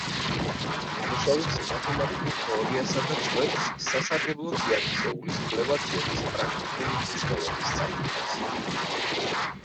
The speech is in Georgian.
ამუშავებს მათემატიკურ თეორიასა და წყვეტს სასარგებლო წიაღისეულის კვლევა-ძიების პრაქტიკული მნიშვნელობის საკითხებს.